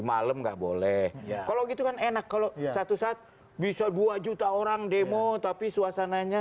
malam nggak boleh kalau gitu kan enak kalau satu saat bisa dua juta orang demo tapi suasananya